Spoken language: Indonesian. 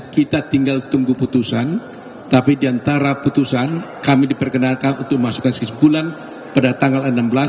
kita tinggal tunggu putusan tapi diantara putusan kami diperkenalkan untuk masukkan kesimpulan pada tanggal enam belas